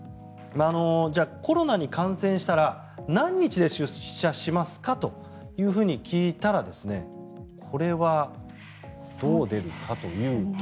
じゃあコロナに感染したら何日で出社しますかと聞いたらこれはどうですかというと。